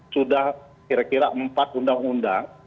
sudah kira kira empat undang undang